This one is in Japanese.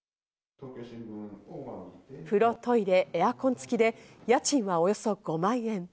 風呂・トイレ・エアコンつきで家賃はおよそ５万円。